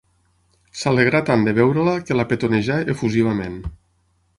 S'alegrà tant de veure-la que la petonejà efusivament.